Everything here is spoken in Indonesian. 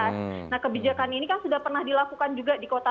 nah kebijakan ini kan sudah pernah dilakukan juga di kota